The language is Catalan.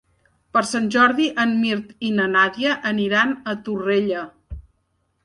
Per Sant Jordi en Mirt i na Nàdia aniran a Torrella.